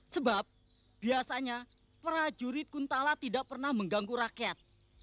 sebab biasanya prajurit kuntala tidak pernah mengganggu rakyat